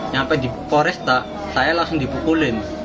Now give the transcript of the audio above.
nyape dikoresta saya langsung dibukulin